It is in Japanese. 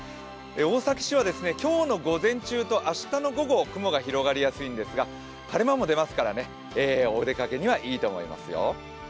大崎市は今日の午前中と明日の午後、雲が広がりやすいんですが晴れ間も出ますから、お出かけにはいいと思いますよ。